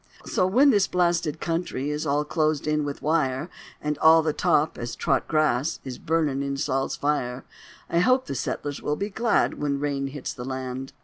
So when this blasted country Is all closed in with wire, And all the top, as trot grass, Is burnin' in Sol's fire, I hope the settlers will be glad When rain hits the land.